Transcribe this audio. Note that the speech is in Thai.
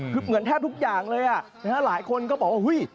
คือเหมือนแทบทุกอย่างเลยอ่ะนะฮะหลายคนก็บอกว่าอุ้ย